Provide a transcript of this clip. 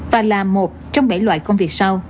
và là một trong bảy loại công việc sau